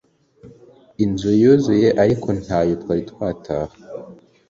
inzu yuzuye ariko ntayo twari twataha